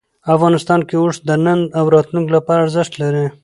افغانستان کې اوښ د نن او راتلونکي لپاره ارزښت لري.